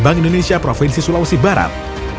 bank indonesia provinsi sulawesi barat